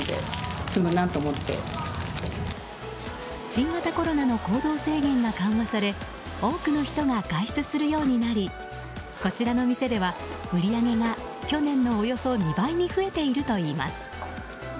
新型コロナの行動制限が緩和され多くの人が外出するようになりこちらの店では売り上げが去年のおよそ２倍に増えているといいます。